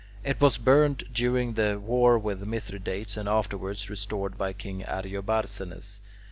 It was burned during the war with Mithridates, and afterwards restored by King Ariobarzanes.